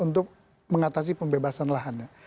untuk mengatasi pembebasan lahannya